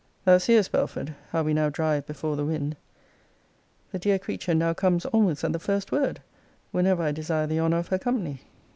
Thou seest, Belford, how we now drive before the wind. The dear creature now comes almost at the first word, whenever I desire the honour of her company.